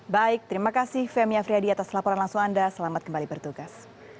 baik terima kasih femi afriyadi atas laporan langsung anda selamat kembali bertugas